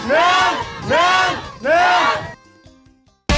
เร็วเร็วเร็วพอพอ